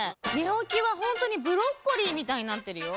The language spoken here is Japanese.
おきはほんとにブロッコリーみたいになってるよ。